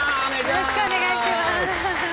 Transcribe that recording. よろしくお願いします。